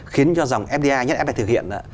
khiến cho dòng fdi nhất fdi thực hiện